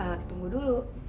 eh tunggu dulu